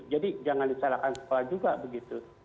jadi jangan disalahkan sekolah juga begitu